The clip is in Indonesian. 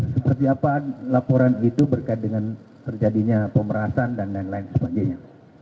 seperti apa laporan itu berkait dengan terjadinya pemerasan dan lain lain sebagainya